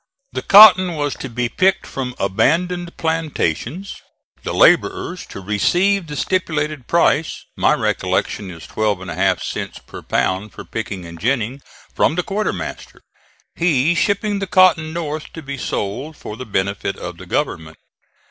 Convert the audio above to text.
The cotton was to be picked from abandoned plantations, the laborers to receive the stipulated price (my recollection is twelve and a half cents per pound for picking and ginning) from the quartermaster, he shipping the cotton north to be sold for the benefit of the government.